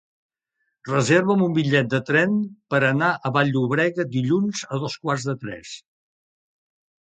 Reserva'm un bitllet de tren per anar a Vall-llobrega dilluns a dos quarts de tres.